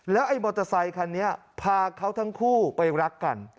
ไอ้มอเตอร์ไซคันนี้พาเขาทั้งคู่ไปรักกัน